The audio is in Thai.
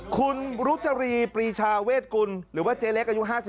คุณรุจรีปรีชาเวทกุลหรือว่าเจ๊เล็กอายุ๕๓